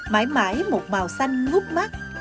mãi mãi một màu xanh ngút mắt